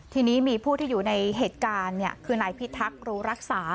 ทีนี้มีผู้ที่อยู่ในเหตุการณ์คือนายพิทักษ์รู้รักษา